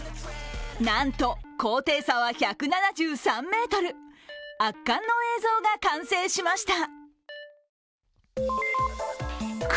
なんと高低差は１７３ｍ、圧巻の映像が完成しました。